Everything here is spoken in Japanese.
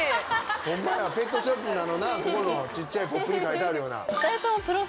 ホンマやペットショップのここの小っちゃいポップに書いてあるような。